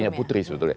ya momentum ya